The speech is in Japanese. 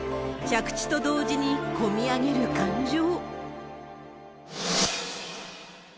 着地と同時にこみあげる感情。